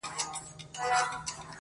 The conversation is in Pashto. که خدای وکړه هره خوا مي پرې سمېږي,